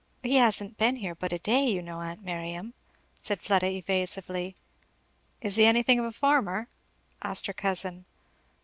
"He hasn't been here but a day, you know, aunt Miriam," said Fleda evasively. "Is he anything of a farmer?" asked her cousin.